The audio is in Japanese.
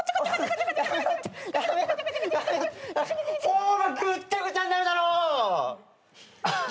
フォームぐっちゃぐちゃになるだろ！